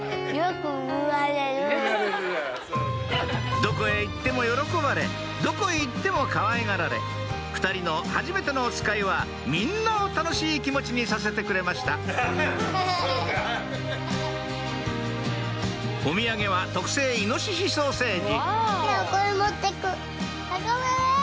どこへ行っても喜ばれどこへ行ってもかわいがられ２人のはじめてのおつかいはみんなを楽しい気持ちにさせてくれましたおみやげは特製いのししソーセージ